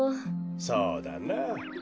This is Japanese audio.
そうだなあ。